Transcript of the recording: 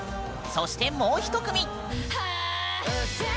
そしてもう一組！